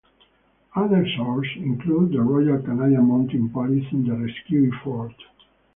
Other sources include the Royal Canadian Mounted Police in the rescue effort.